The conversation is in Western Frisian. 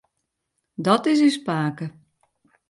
Dat is ús pake.